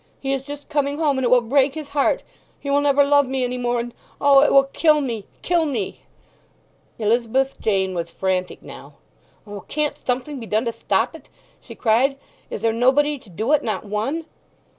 He is just coming home—and it will break his heart—he will never love me any more—and O, it will kill me—kill me!" Elizabeth Jane was frantic now. "O, can't something be done to stop it?" she cried. "Is there nobody to do it—not one?"